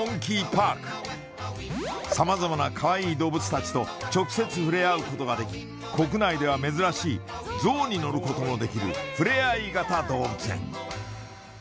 様々なかわいい動物たちと直接ふれあうことができ国内では珍しいゾウに乗ることもできるふれあい型動物園